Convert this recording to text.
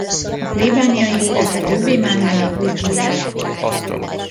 A plébánia épülete többé már nem épült újjá.